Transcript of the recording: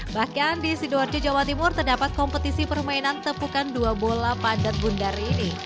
bahkan di sidoarjo jawa timur terdapat kompetisi permainan tepukan dua bola padat bundar ini